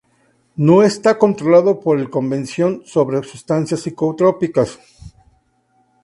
No está controlado por el Convención sobre sustancias psicotrópicas.